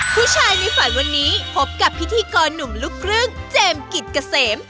ผู้ชายในฝันวันนี้พบกับพิธีกรหนุ่มลูกครึ่งเจมส์กิจเกษม